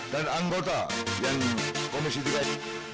dan anggota komisi tiga ini